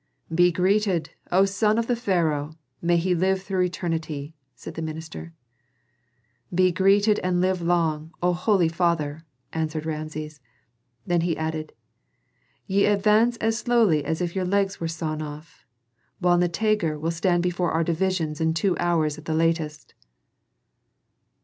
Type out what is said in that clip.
"Be greeted, O son of the pharaoh; may he live through eternity!" said the minister. "Be greeted and live long, O holy father!" answered Rameses; then he added, "Ye advance as slowly as if your legs were sawn off, while Nitager will stand before our division in two hours at the latest."